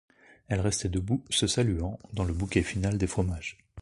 Elles restaient debout, se saluant, dans le bouquet final des fromages.